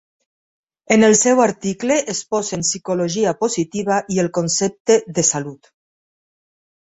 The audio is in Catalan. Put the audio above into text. En el seu article exposen "Psicologia positiva i el concepte de salut".